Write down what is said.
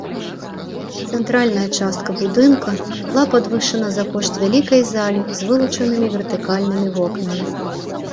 Цэнтральная частка будынка была падвышана за кошт вялікай залі з вылучанымі вертыкальнымі вокнамі.